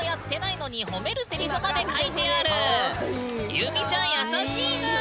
ゆうみちゃん優しいぬん！